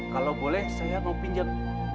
kalau boleh saya mau pinjam